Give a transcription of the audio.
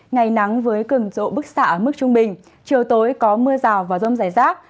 ngày nắng với cường độ bức xạ ở mức trung bình chiều tối có mưa rào và rông rải rác